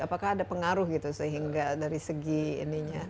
apakah ada pengaruh gitu sehingga dari segi ininya